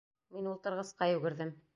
Мин ултырғысҡа йүгерҙем.